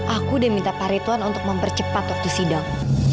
aku udah minta pak ridwan untuk mempercepat waktu sidang